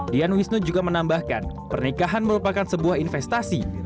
dian wisnu juga menambahkan pernikahan merupakan sebuah investasi